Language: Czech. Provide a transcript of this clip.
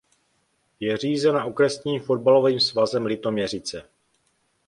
Je řízena Okresním fotbalovým svazem Litoměřice.